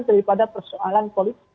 terdiri pada persoalan politik